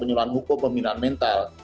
penyuluhan hukum pembinaan mental